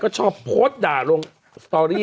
ขออีกทีอ่านอีกที